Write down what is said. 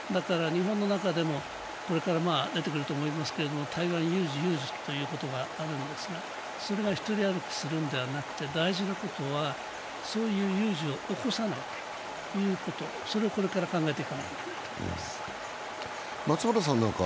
日本の中でもこれから出てくると思いますけど、台湾有事ということがあるんですが、それがひとり歩きするのではなくて大事なことはそういう有事を起こさないこと、それをこれから考えていかなきゃいけないと思います。